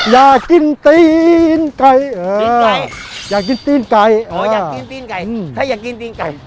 อยากกินตีนไก่อ๋ออยากกินตีนไก่อืมถ้าอยากกินตีนไก่